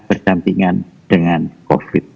berdampingan dengan covid sembilan belas